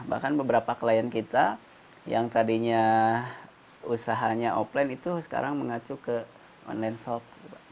bahkan beberapa klien kita yang tadinya usahanya offline itu sekarang mengacu ke online shock